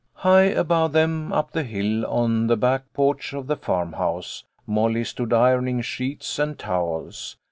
High above them, up the hill, on the back porch of the farmhouse, Molly stood ironing sheets and towels.